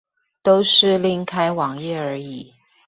都是另開網頁而已